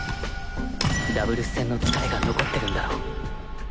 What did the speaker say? ダブルス戦の疲れが残ってるんだろう